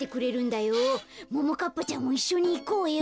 ももかっぱちゃんもいっしょにいこうよ。